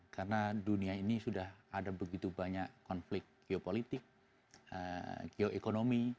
karena dunia ini sudah ada begitu banyak konflik geopolitik geoekonomi